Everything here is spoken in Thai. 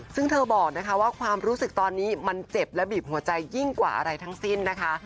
ซึ่งเธอบอกนะคะว่าความรู้สึกตอนนี้มันเจ็บและบีบหัวใจยิ่งกว่าอะไรทั้งสิ้นนะคะ